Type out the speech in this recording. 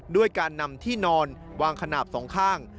ด้วยการนำที่นอนวางขนาดสองข้าง